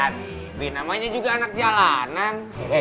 tapi namanya juga anak jalanan